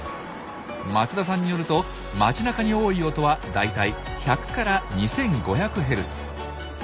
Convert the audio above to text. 松田さんによると街なかに多い音は大体１００２，５００ヘルツ。